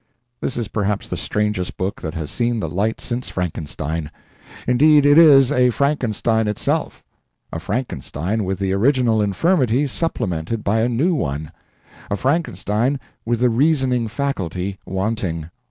This is perhaps the strangest book that has seen the light since Frankenstein. Indeed, it is a Frankenstein itself; a Frankenstein with the original infirmity supplemented by a new one; a Frankenstein with the reasoning faculty wanting.